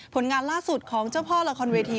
ผลงานล่าสุดของเจ้าพ่อละครเวที